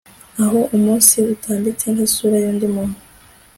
aho umunsi utambitse nk'isura y'undi muntu